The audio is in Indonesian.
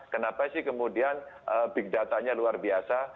kenapa sih kemudian big datanya luar biasa